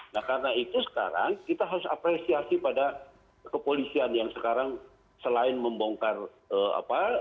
nah karena itu sekarang kita harus apresiasi pada kepolisian yang sekarang selain membongkar apa